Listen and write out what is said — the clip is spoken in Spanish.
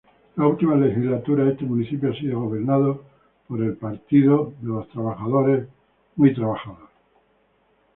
Las últimas legislaturas este municipio ha sido gobernado por el Partido Popular.